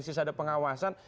sisa ada pengawasan